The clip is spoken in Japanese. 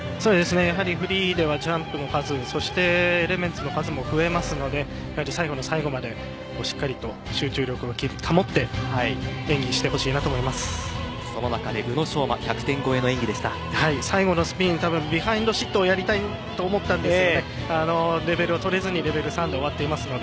やはりフリーではジャンプの数そしてエレメンツの数も増えますので最後の最後までしっかりと集中力を保ってその中で宇野昌磨最後のスピン、たぶんビハインドシットをやりたいと思ったんですが［